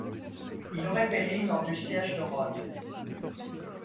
Il aurait péri lors du siège de Rhodes.